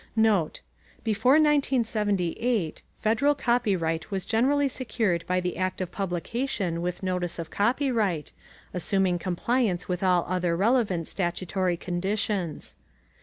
NOTE: Before 1978, federal copyright was generally secured by the act of publication with notice of copyright, assuming compliance with all other relevant statutory conditions.